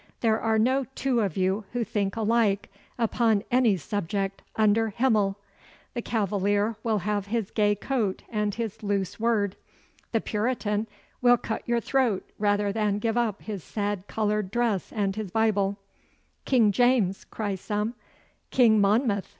There are no two of you who think alike upon any subject under Himmel! The Cavalier will have his gay coat and his loose word. The Puritan will cut your throat rather than give up his sad coloured dress and his Bible. "King James!" cry some, "King Monmouth!"